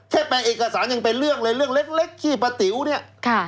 แปลงเอกสารยังเป็นเรื่องเลยเรื่องเล็กขี้ปะติ๋วเนี่ย